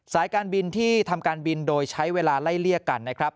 การบินที่ทำการบินโดยใช้เวลาไล่เลี่ยกันนะครับ